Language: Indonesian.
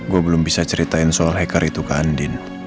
gue belum bisa ceritain soal hacker itu ke andin